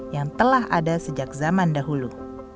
yang telah ada sejak zaman dahulu